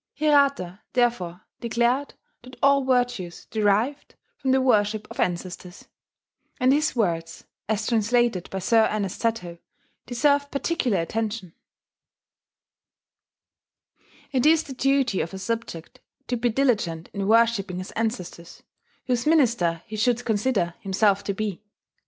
Hirata therefore declared that all virtues derived from the worship of ancestors; and his words, as translated by Sir Ernest Satow, deserve particular attention: "It is the duty of a subject to be diligent in worshipping his ancestors, whose minister he should consider himself to be.